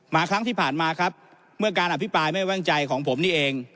ครั้งที่ผ่านมาครับเมื่อการอภิปรายไม่ว่างใจของผมนี่เอง